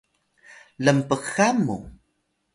lnpxan mu